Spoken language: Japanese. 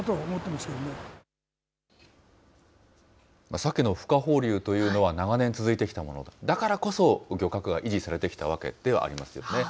サケのふ化放流というのは長年続いてきたもの、だからこそ、漁獲が維持されていたわけではありますね。